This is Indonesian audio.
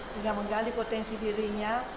tidak menggali potensi dirinya